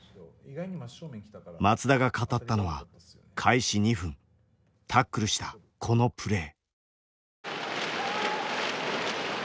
松田が語ったのは開始２分タックルしたこのプレー。